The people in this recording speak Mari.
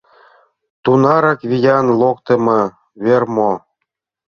Тунарак виян локтымо вер мо?